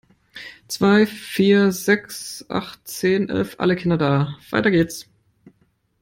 Zwei, vier, sechs, acht, zehn, elf, alle Kinder da! Weiter geht's.